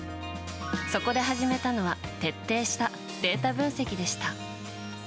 そこで始めたのは、徹底したデータ分析でした。